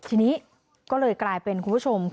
ทีนี้จากการสืบส่งของตำรวจพวกต้นเนี่ยค่ะ